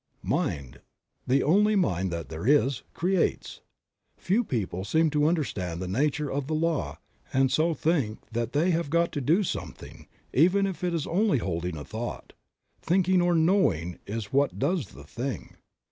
Mind, the only Mind that there is, creates. Few people seem to understand the nature of the law and so think that they have got to do something, even if it is only holding a thought; thinking or knowing is what does the thing.